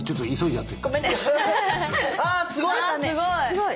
すごい。